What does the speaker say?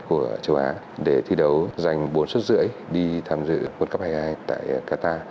của châu á để thi đấu giành bốn suất rưỡi đi tham dự world cup hai nghìn hai mươi hai tại qatar